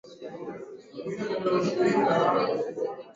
Mtini alinifilia.